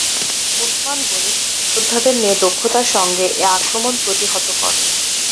ওসমান গনি সহযোদ্ধাদের নিয়ে দক্ষতার সঙ্গে এ আক্রমণ প্রতিহত করেন।